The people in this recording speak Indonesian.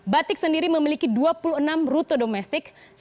batik sendiri memiliki dua puluh enam rute domestik